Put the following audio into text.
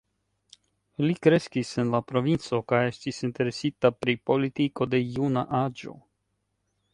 Li kreskis en la provinco, kaj estis interesita pri politiko de juna aĝo.